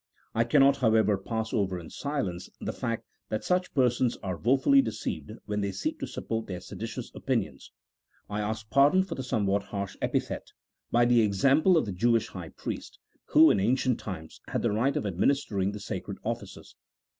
I cannot, however, pass over in silence the fact that such persons are woefully deceived when they seek to support their seditious opinions (I ask pardon for the somewhat harsh epithet) by the example of the Jewish high priest, who, in ancient times, had the right of administering the sacred offices.